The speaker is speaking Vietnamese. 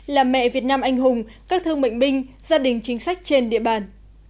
là mẹ việt nam anh hùng các thương bệnh binh gia đình chính sách trên địa bàn